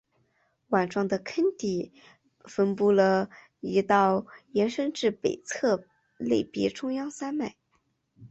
碗状的坑底分布了一道延伸至北侧内壁中央山脉。